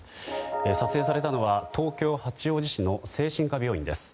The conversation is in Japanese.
撮影されたのは東京・八王子市の精神科病院です。